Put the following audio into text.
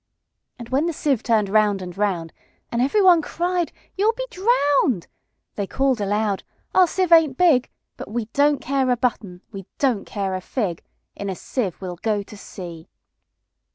And when the sieve turn'd round and round, And every one cried, "You 'll be drown'd!"They call'd aloud, "Our sieve ain't big:But we don't care a button; we don't care a fig:In a sieve we 'll go to sea!"